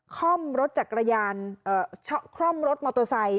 คล่อมรถจากกระยานคล่อมรถมอโตซัย